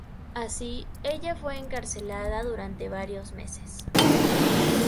Así, ella fue encarcelada durante varios meses.